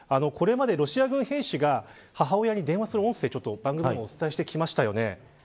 これまで、ロシア軍兵士が母親に電話する音声を番組でもお伝えしてきました。